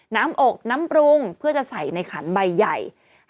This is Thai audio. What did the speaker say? น้ำอกน้ำปรุงเพื่อจะใส่ในขันใบใหญ่